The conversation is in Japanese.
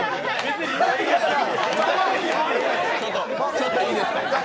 ちょっといいですか？